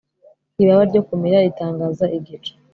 Ibaba ryo kumira ritangaza igicu